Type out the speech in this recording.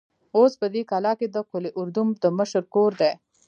اوس په دې کلا کې د قول اردو د مشر کور دی.